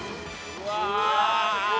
うわ。